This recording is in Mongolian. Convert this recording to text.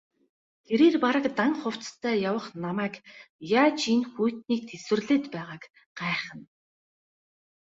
Тэрээр бараг дан хувцастай явах намайг яаж энэ хүйтнийг тэсвэрлээд байгааг гайхна.